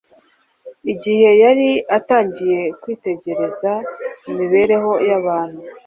Igihe yari atangiye kwitegereza imibereho y'abantu,